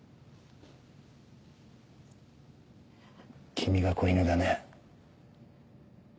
君が子犬だね？